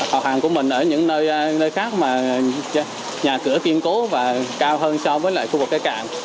họ hàng của mình ở những nơi khác mà nhà cửa kiên cố và cao hơn so với lại khu vực cây cạn